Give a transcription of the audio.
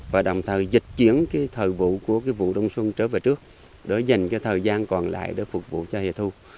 và đồng thời dịch chuyển thời vụ của vụ đông xuân trở về trước để dành thời gian còn lại để phục vụ cho hệ thu